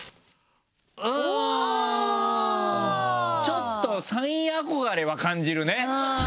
ちょっとサイン憧れは感じるね。